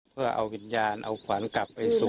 เพื่อเอาวิญญาณเอาขวัญกลับไปสู่